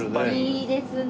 いいですね。